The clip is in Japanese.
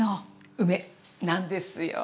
梅なんですよ。